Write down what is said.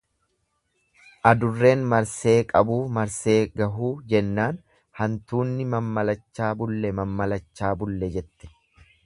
Adurreen marsee qabuu marsee gahuu jennaan hantuunni mammalachaa bulle mammalachaa bulle jette.